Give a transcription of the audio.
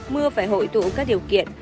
mưa phải hội tụ các điều kiện